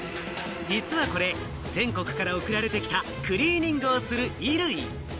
実はこれ、全国から送られてきたクリーニングをする衣類。